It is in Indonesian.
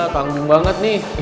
tunggu banget nih